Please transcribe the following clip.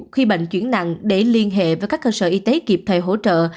khi bệnh chuyển nặng để liên hệ với các cơ sở y tế kịp thời hỗ trợ